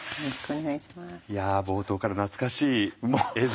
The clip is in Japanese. いや冒頭から懐かしい映像。